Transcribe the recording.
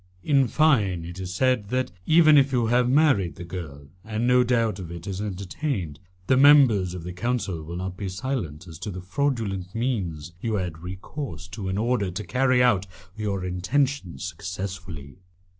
In fine, it is said that, even if you have married the girl, and no doubt of it is entertained, the members of the Council will not be silent as to the fraudulent means you have had recourse to in order to carry out your intentions successfully."